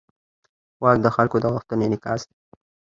واک د خلکو د غوښتنو انعکاس دی.